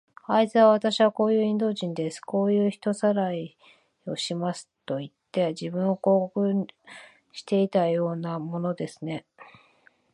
あいつは、わたしはこういうインド人です。こういう人さらいをしますといって、自分を広告していたようなものですね。